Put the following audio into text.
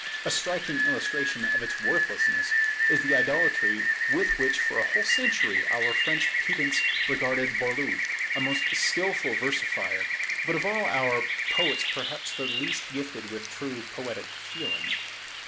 A striking illustration of its worthlessness is the idolatry with which for a whole century our French pedants regarded Boileau; a most skilful versifier, but of all our poets perhaps the least gifted with true poetic feeling.